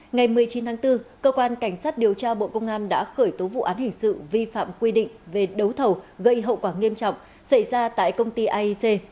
ngày một mươi chín tháng bốn cơ quan cảnh sát điều tra bộ công an đã khởi tố vụ án hình sự vi phạm quy định về đấu thầu gây hậu quả nghiêm trọng xảy ra tại công ty aic